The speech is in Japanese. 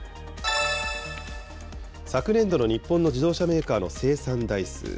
昨年度の日本の自動車メーカーの生産台数。